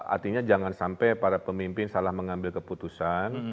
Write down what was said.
artinya jangan sampai para pemimpin salah mengambil keputusan